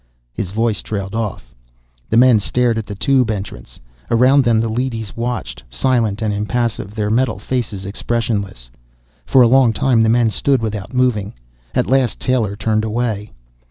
His voice trailed off. The men stared at the Tube entrance. Around them the leadys watched, silent and impassive, their metal faces expressionless. For a long time the men stood without moving. At last Taylor turned away.